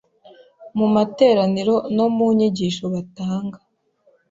mu materaniro no mu nyigisho batanga.